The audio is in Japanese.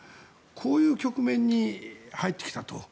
こういう局面に入ってきたと。